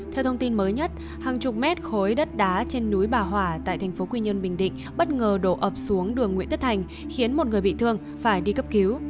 theo thông tin mới nhất hàng chục mét khối đất đá trên núi bà hỏa tại thành phố quy nhơn bình định bất ngờ đổ ập xuống đường nguyễn tất thành khiến một người bị thương phải đi cấp cứu